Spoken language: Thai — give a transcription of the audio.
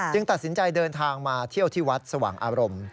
ตัดสินใจเดินทางมาเที่ยวที่วัดสว่างอารมณ์